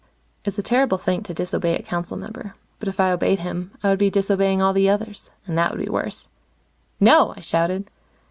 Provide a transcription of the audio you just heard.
It's a terrible thing to disobey a council member. But if I obeyed him, I would be disobeying all the others. And that would be worse. "No!" I shouted.